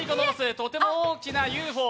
とても大きなＵＦＯ。